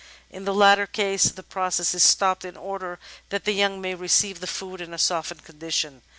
In the latter case, the process is stopped in order that the young may receive the food in a softened condition.